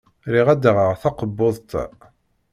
Riɣ ad d-aɣaɣ takebbuḍt-a.